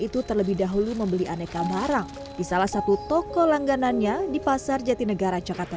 itu terlebih dahulu membeli aneka barang di salah satu toko langganannya di pasar jatinegara jakarta